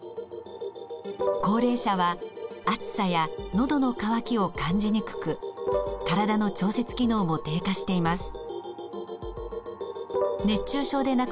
高齢者は暑さやのどの渇きを感じにくく体の調節機能も低下しています。